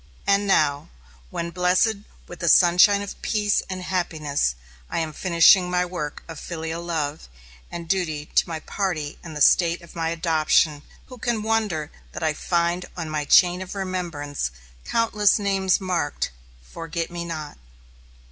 And now, when blessed with the sunshine of peace and happiness, I am finishing my work of filial love and duty to my party and the State of my adoption, who can wonder that I find on my chain of remembrance countless names marked, "forget me not"?